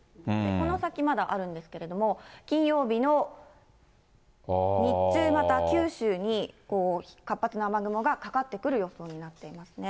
この先、まだあるんですけれども、金曜日の日中、また九州に、活発な雨雲がかかってくる予想になっていますね。